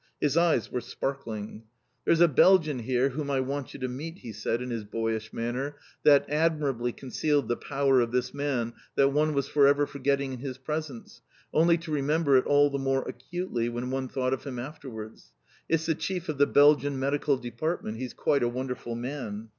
His eyes were sparkling. "There's a Belgian here whom I want you to meet," he said in his boyish manner, that admirably concealed the power of this man that one was for ever forgetting in his presence, only to remember it all the more acutely when one thought of him afterwards. "It's the chief of the Belgian Medical Department. He's quite a wonderful man."